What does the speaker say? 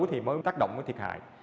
thì mới tác động cái thiệt hại